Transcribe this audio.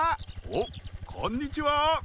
おっこんにちは！